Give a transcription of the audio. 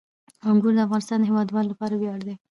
انګور د افغانستان د هیوادوالو لپاره ویاړ دی.